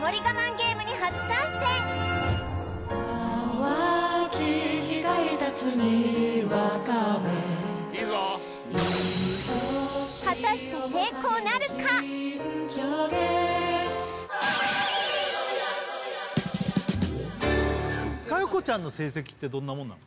ゲームに初参戦いいぞ佳代子ちゃんの成績ってどんなもんなの？